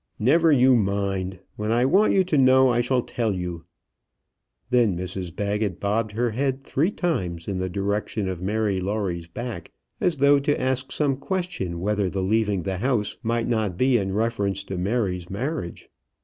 "Never you mind. When I want you to know, I shall tell you." Then Mrs Baggett bobbed her head three times in the direction of Mary Lawrie's back, as though to ask some question whether the leaving the house might not be in reference to Mary's marriage.